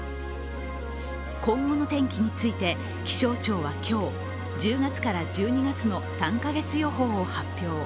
今後の天気について気象庁は今日、１０月から１２月の３か月予報を発表。